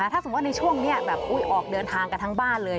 ถ้าสมมุติในช่วงนี้แบบออกเดินทางกันทั้งบ้านเลย